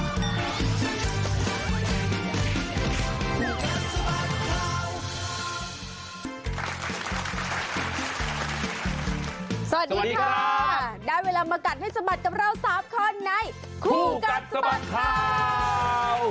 สวัสดีค่ะได้เวลามากัดให้สะบัดกับเรา๓คนในคู่กัดสะบัดข่าว